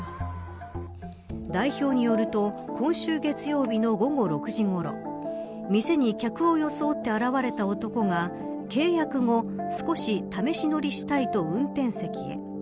代表によると今週月曜日の午後６時ごろ店に、客を装って現れた男が契約後、少し試し乗りしたいと運転席へ。